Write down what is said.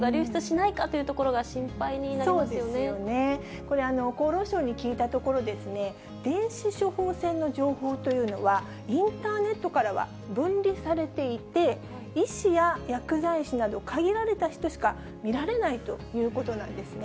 これ、厚労省に聞いたところ、電子処方箋の情報というのは、インターネットからは分離されていて、医師や薬剤師など、限られた人しか見られないということなんですね。